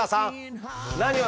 何を？